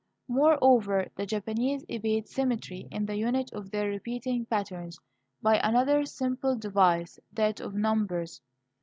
Moreover, the Japanese evade symmetry, in the unit of their repeating patterns, by another simple device that of numbers.